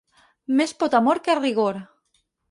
Més pot amor que rigor.